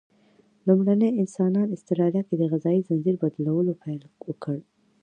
لومړني انسانان استرالیا کې د غذایي ځنځیر بدلولو پیل وکړ.